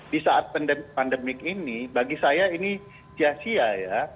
di saat pandemik ini bagi saya ini sia sia ya